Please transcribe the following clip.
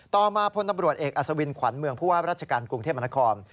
ต่อมาพลอเอ็กษ์อสวิรณควัญเมืองภูวะราชการกรุงเทพมานาคอม